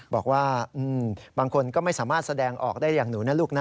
บอกว่าบางคนก็ไม่สามารถแสดงออกได้อย่างหนูนะลูกนะ